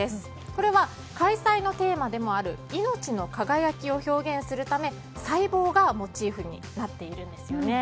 これは開催がテーマでもあるいのちの輝きを表現するため細胞がモチーフになっているんですよね。